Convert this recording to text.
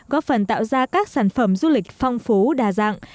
góp phần tạo ra các sản phẩm du lịch phong phú đa dạng